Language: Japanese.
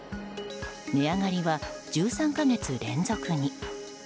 値上がりは１３か月連続に。